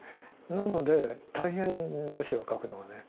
なので大変ですよ書くのはね。